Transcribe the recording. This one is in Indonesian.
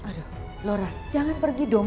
aduh lora jangan pergi dong